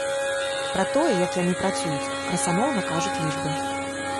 Пра тое, як яны працуюць, красамоўна кажуць лічбы.